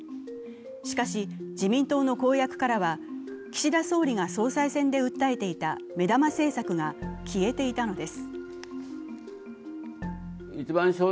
しかし自民党の公約からは岸田総理が総裁選で訴えていた目玉政策が消えていたのです。